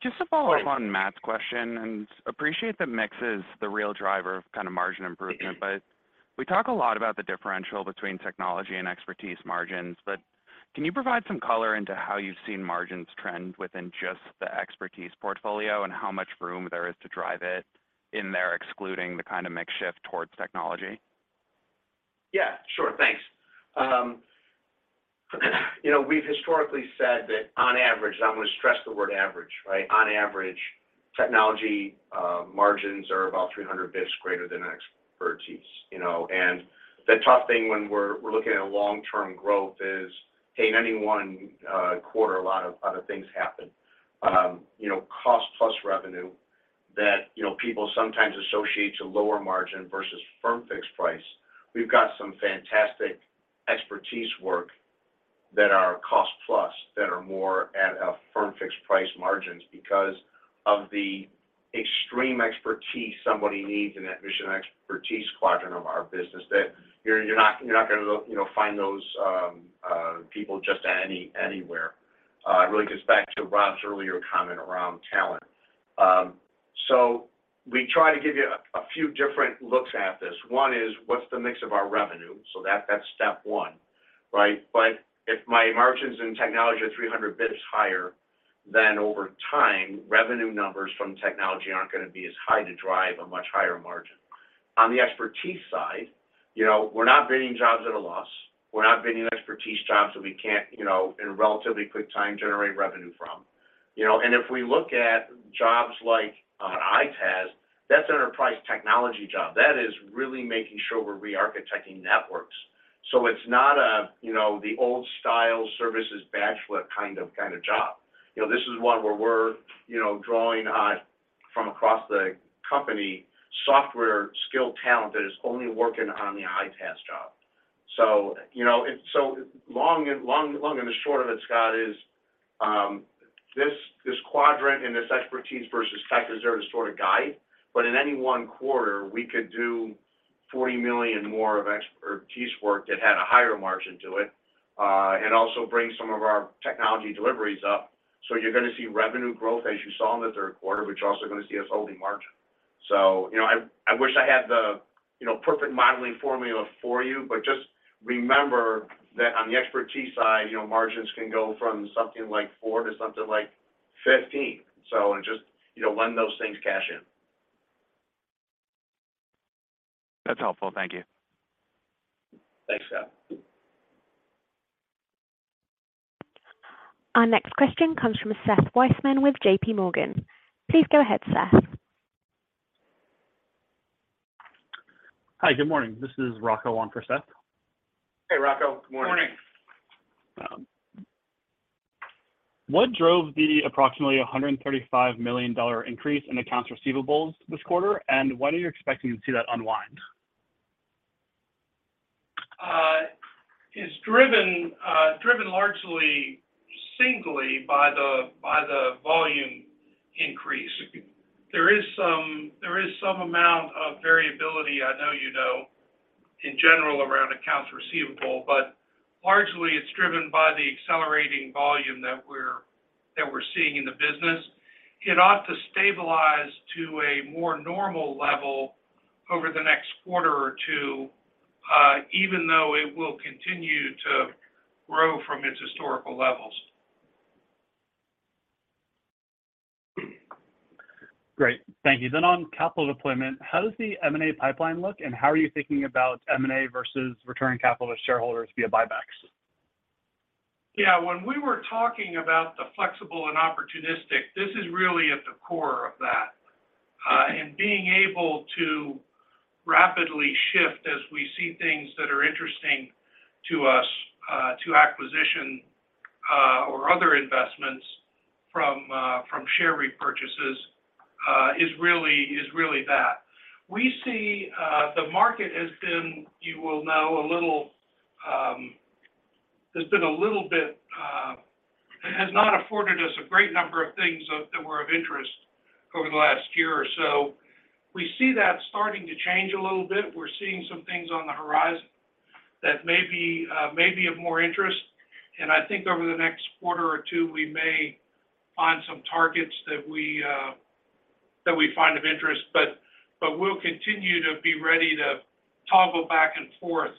Just to follow up on Matt's question, and appreciate the mix is the real driver of kind of margin improvement. We talk a lot about the differential between technology and expertise margins, but can you provide some color into how you've seen margins trend within just the expertise portfolio and how much room there is to drive it in there, excluding the kind of mix shift towards technology?
Yeah. Sure. Thanks. You know, we've historically said that on average, and I'm gonna stress the word average, right? On average, technology margins are about 300 bps greater than expertise, you know. The tough thing when we're looking at a long-term growth is, hey, in any one quarter, a lot of things happen. You know, cost-plus revenue that, you know, people sometimes associate to lower margin versus firm-fixed-price. We've got some fantastic expertise work that are cost-plus, that are more at a firm-fixed-price margins because of the extreme expertise somebody needs in that mission expertise quadrant of our business that you're not gonna, you know, find those people just anywhere. It really gets back to Rob's earlier comment around talent. We try to give you a few different looks at this. One is what's the mix of our revenue? That's step one, right? If my margins in technology are 300 bps higher, over time, revenue numbers from technology aren't gonna be as high to drive a much higher margin. On the expertise side, you know, we're not bidding jobs at a loss. We're not bidding expertise jobs that we can't, you know, in relatively quick time generate revenue from. You know, if we look at jobs like EITaaS, that's enterprise technology job. That is really making sure we're re-architecting networks. It's not a, you know, the old style services bachelor kind of job. You know, this is one where we're, you know, drawing on from across the company software skill talent that is only working on the EITaaS job. You know, it's so long and the short of it, Scott, is this quadrant and this expertise versus tech is there to sort of guide. In any one quarter, we could do $40 million more of expertise work that had a higher margin to it and also bring some of our technology deliveries up. You're gonna see revenue growth as you saw in the third quarter, but you're also gonna see us holding margin. You know, I wish I had the, you know, perfect modeling formula for you, but just remember that on the expertise side, you know, margins can go from something like 4% to something like 15%. Just, you know, when those things cash in.
That's helpful. Thank you.
Thanks, Scott.
Our next question comes from Seth Seifman with JPMorgan. Please go ahead, Seth.
Hi. Good morning. This is Rocco on for Seth.
Hey, Rocco. Good morning.
Morning. What drove the approximately $135 million increase in accounts receivables this quarter, and when are you expecting to see that unwind?
It's driven largely singly by the volume increase. There is some amount of variability I know you know in general around accounts receivable, but largely it's driven by the accelerating volume that we're seeing in the business. It ought to stabilize to a more normal level over the next quarter or two, even though it will continue to grow from its historical levels.
Great. Thank you. On capital deployment, how does the M&A pipeline look, and how are you thinking about M&A versus returning capital to shareholders via buybacks?
Yeah, when we were talking about the flexible and opportunistic, this is really at the core of that. Being able to rapidly shift as we see things that are interesting to us, to acquisition, or other investments from share repurchases, is really that. We see, the market has been, you will know a little, has been a little bit, has not afforded us a great number of things of that were of interest over the last year or so. We see that starting to change a little bit. We're seeing some things on the horizon that may be, may be of more interest. I think over the next quarter or two, we may find some targets that we, that we find of interest. We'll continue to be ready to toggle back and forth,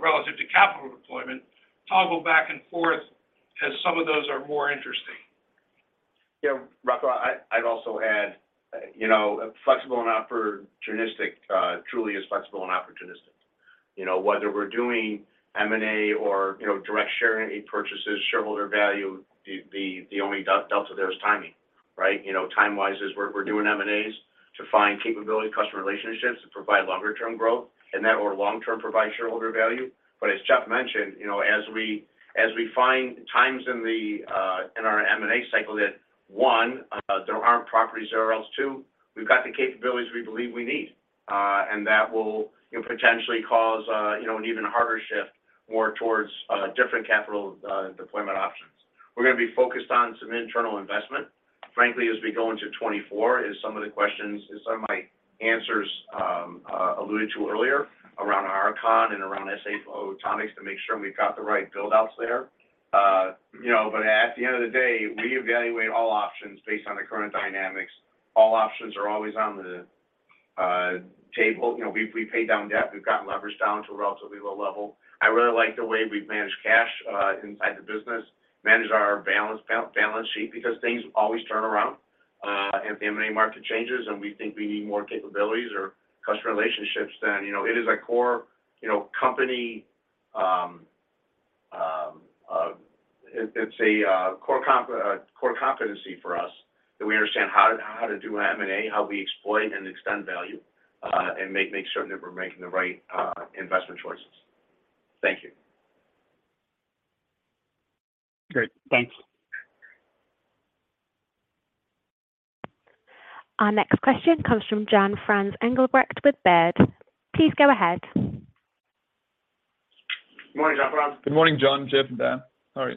relative to capital deployment. Toggle back and forth as some of those are more interesting.
Yeah. Rocco, I'd also add, you know, flexible and opportunistic, truly is flexible and opportunistic. You know, whether we're doing M&A or, you know, direct share repurchases, shareholder value, the only delta there is timing, right? You know, time wise is we're doing M&As to find capability, customer relationships to provide longer term growth and that or long term provide shareholder value. As Jeff mentioned, you know, as we find times in the in our M&A cycle that, one, there aren't properties or else, two, we've got the capabilities we believe we need, and that will, you know, potentially cause, you know, an even harder shift more towards different capital deployment options. We're gonna be focused on some internal investment. Frankly, as we go into 2024 is some of the questions and some of my answers alluded to earlier around Archon and around SA Photonics to make sure we've got the right build outs there. you know, at the end of the day, we evaluate all options based on the current dynamics. All options are always on the table. You know, we pay down debt. We've gotten leverage down to a relatively low level. I really like the way we've managed cash inside the business, managed our balance sheet because things always turn around. if the M&A market changes and we think we need more capabilities or customer relationships, then, you know, it is a core, you know, company. It's a core competency for us that we understand how to do M&A, how we exploit and extend value, and make sure that we're making the right investment choices. Thank you.
Great. Thanks.
Our next question comes from Jan-Frans Engelbrecht with Baird. Please go ahead.
Morning, Jan-Frans.
Good morning, John, Jeff, and Dan. Sorry.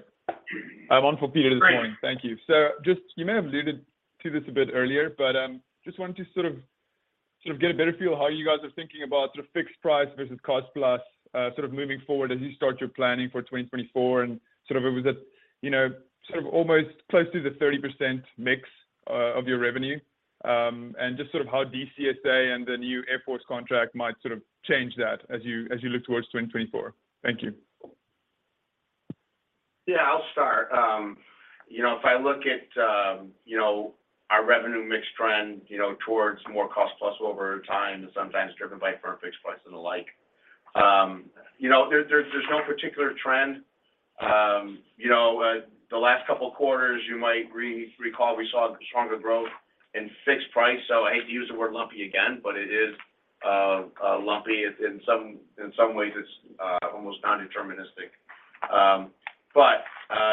I'm on for Peter this morning.
Great.
Thank you. Just you may have alluded to this a bit earlier, but, just wanted to sort of get a better feel how you guys are thinking about sort of fixed-price versus cost-plus, moving forward as you start your planning for 2024. Sort of with that, you know, sort of almost close to the 30% mix of your revenue, and just sort of how DCSA and the new Air Force contract might sort of change that as you, as you look towards 2024. Thank you.
Yeah, I'll start. You know, if I look at, you know, our revenue mix trend, you know, towards more cost-plus over time, sometimes driven by firm-fixed-price and the like, you know, there's no particular trend. You know, the last couple of quarters, you might recall we saw stronger growth in fixed price. I hate to use the word lumpy again, but it is lumpy. In some ways, it's almost nondeterministic.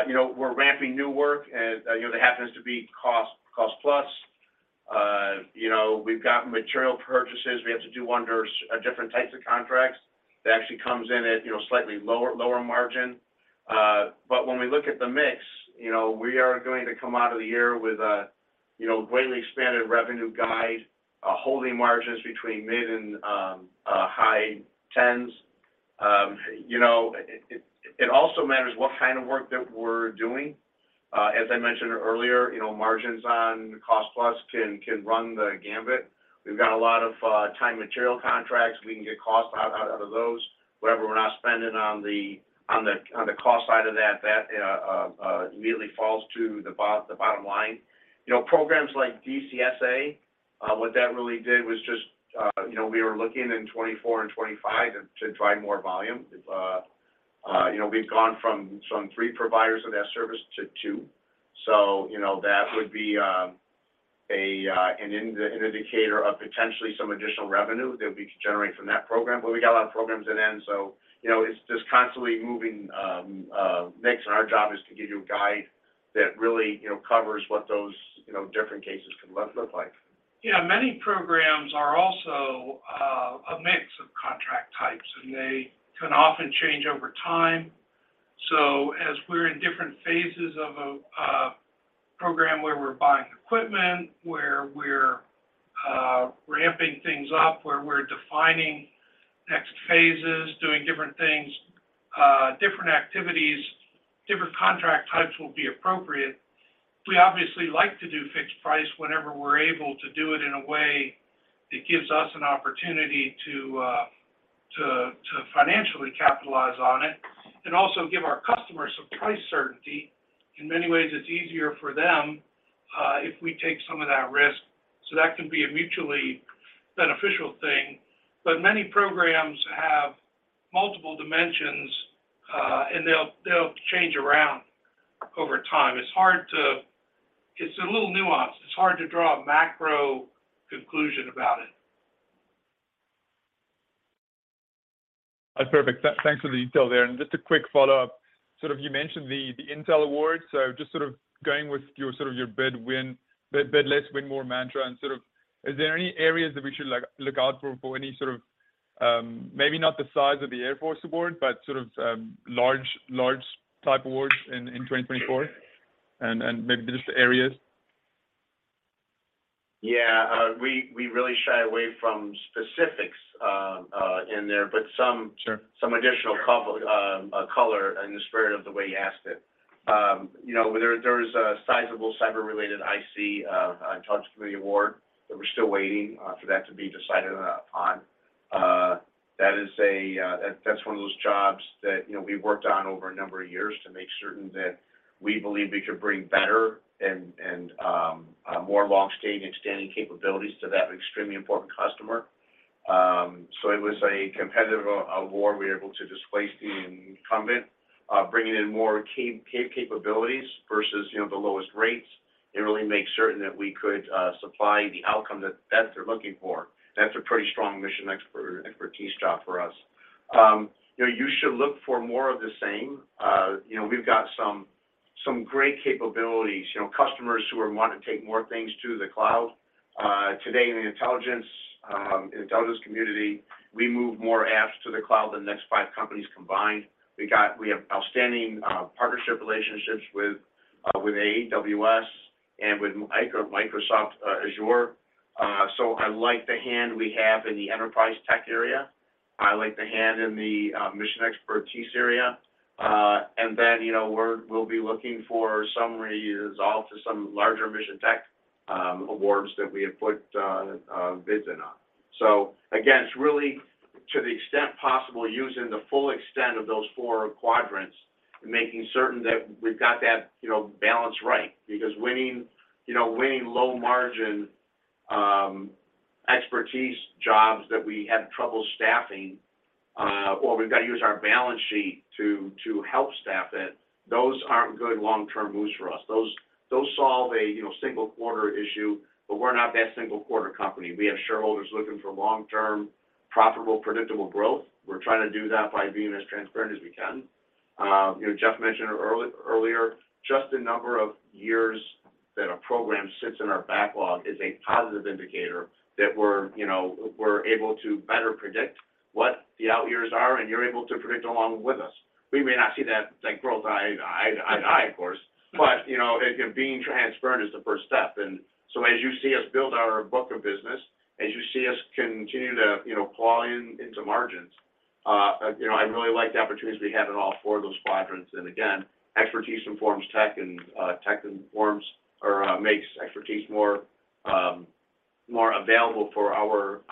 You know, we're ramping new work, and, you know, that happens to be cost-plus. You know, we've got material purchases. We have to do under different types of contracts that actually comes in at, you know, slightly lower margin. When we look at the mix, you know, we are going to come out of the year with a, you know, greatly expanded revenue guide, holding margins between mid and high 10s. You know, it also matters what kind of work that we're doing. As I mentioned earlier, you know, margins on cost-plus can run the gambit. We've got a lot of Time-Materials contracts. We can get cost out of those. Whatever we're not spending on the cost side of that immediately falls to the bottom line. You know, programs like DCSA, what that really did was just, you know, we were looking in 2024 and 2025 to drive more volume. You know, we've gone from some three providers of that service to two. You know, that would be an indicator of potentially some additional revenue that we could generate from that program. We got a lot of programs that end. You know, it's just constantly moving mix, and our job is to give you a guide that really, you know, covers what those, you know, different cases can look like.
Many programs are also a mix of contract types, and they can often change over time. As we're in different phases of a program where we're buying equipment, where we're ramping things up, where we're defining next phases, doing different things, different activities, different contract types will be appropriate. We obviously like to do fixed price whenever we're able to do it in a way that gives us an opportunity to financially capitalize on it and also give our customers some price certainty. In many ways, it's easier for them, if we take some of that risk, so that can be a mutually beneficial thing. Many programs have multiple dimensions, and they'll change around over time. It's a little nuanced. It's hard to draw a macro conclusion about it.
That's perfect. Thanks for the detail there. Just a quick follow-up. You mentioned the Intel awards. Just going with your bid win, bid less, win more mantra, is there any areas that we should like look out for any sort of, maybe not the size of the Air Force Award, but sort of, large type awards in 2024 and maybe just the areas?
Yeah. We really shy away from specifics, in there.
Sure.
Some additional color in the spirit of the way you asked it. You know, there is a sizable cyber related IC award that we're still waiting for that to be decided upon. That is a, that's one of those jobs that, you know, we've worked on over a number of years to make certain that we believe we could bring better and, more long-standing extending capabilities to that extremely important customer. It was a competitive award. We were able to displace the incumbent, bringing in more capabilities versus, you know, the lowest rates and really make certain that we could supply the outcome that they're looking for. That's a pretty strong mission expertise job for us. You know, you should look for more of the same. you know, we've got some great capabilities, you know, customers who are wanting to take more things to the cloud. today in the intelligence community, we move more apps to the cloud than the next five companies combined. We have outstanding partnership relationships with AWS and with Microsoft Azure. I like the hand we have in the enterprise tech area. I like the hand in the mission expertise area. you know, we'll be looking for some resolve to some larger mission tech awards that we have put bids in on. Again, it's really to the extent possible using the full extent of those four quadrants and making certain that we've got that, you know, balance right. Winning, you know, winning low margin expertise jobs that we have trouble staffing, or we've got to use our balance sheet to help staff it, those aren't good long-term moves for us. Those solve a, you know, single quarter issue, we're not that single quarter company. We have shareholders looking for long-term, profitable, predictable growth. We're trying to do that by being as transparent as we can. You know, Jeff mentioned earlier, just the number of years that a program sits in our backlog is a positive indicator that we're, you know, we're able to better predict what the out years are, and you're able to predict along with us. We may not see that growth eye to eye, of course, you know, again, being transparent is the first step. As you see us build our book of business, as you see us continue to, you know, plow into margins, you know, I really like the opportunities we have in all four of those quadrants. Again, expertise informs tech, and tech informs or makes expertise more available for our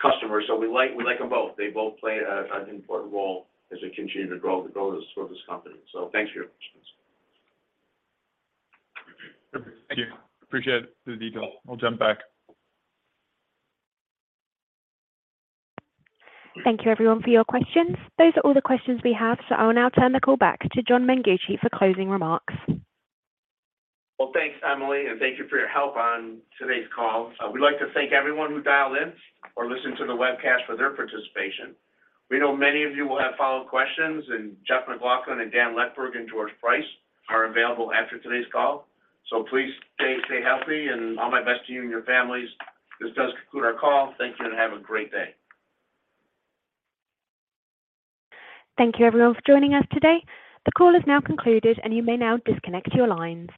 customers. We like them both. They both play an important role as we continue to grow this company. Thanks for your questions.
Thank you. Appreciate the detail. I'll jump back.
Thank you everyone for your questions. Those are all the questions we have. I will now turn the call back to John Mengucci for closing remarks.
Well, thanks, Emily, and thank you for your help on today's call. We'd like to thank everyone who dialed in or listened to the webcast for their participation. We know many of you will have follow-up questions, and Jeff MacLauchlan and Dan Leckburg and George Price are available after today's call. Please stay healthy, and all my best to you and your families. This does conclude our call. Thank you, and have a great day.
Thank you everyone for joining us today. The call is now concluded, and you may now disconnect your lines.